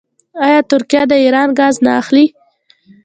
آیا ترکیه د ایران ګاز نه اخلي؟